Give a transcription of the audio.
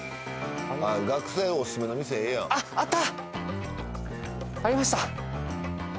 学生おすすめの店ええやんありました